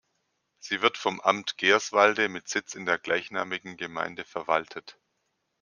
Sie wird vom Amt Gerswalde mit Sitz in der gleichnamigen Gemeinde verwaltet.